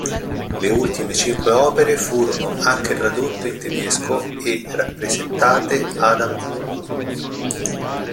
Le ultime cinque opere furono anche tradotte in tedesco e rappresentate ad Amburgo.